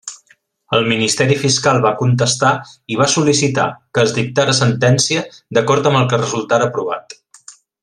El Ministeri Fiscal va contestar i va sol·licitar que es dictara sentència d'acord amb el que resultara provat.